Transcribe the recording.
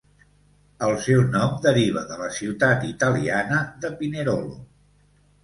El seu nom deriva de la ciutat italiana de Pinerolo.